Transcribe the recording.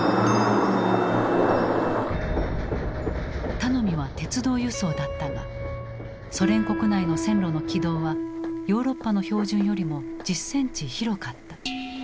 頼みは鉄道輸送だったがソ連国内の線路の軌道はヨーロッパの標準よりも１０センチ広かった。